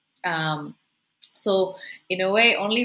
jadi dengan satu satunya